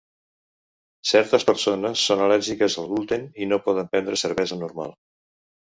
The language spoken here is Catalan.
Certes persones són al·lèrgiques al gluten i no poden prendre cervesa normal.